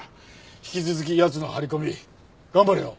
引き続き奴の張り込み頑張れよ。